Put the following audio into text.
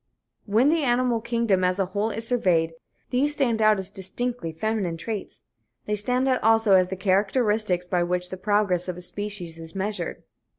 When the animal kingdom as a whole is surveyed, these stand out as distinctly feminine traits. They stand out also as the characteristics by which the progress of species is measured.